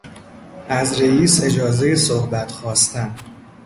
از رییس اجازهی صحبت خواستن